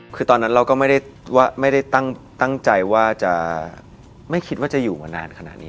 คือตอนนั้นเราก็ไม่ได้ตั้งใจว่าจะไม่คิดว่าจะอยู่มานานขนาดนี้